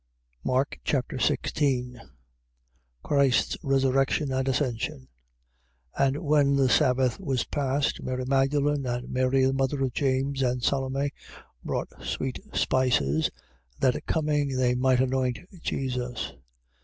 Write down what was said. Mark Chapter 16 Christ's resurrection and ascension. 16:1. And when the sabbath was past, Mary Magdalen and Mary the mother of James and Salome bought sweet spices, that coming, they might anoint Jesus.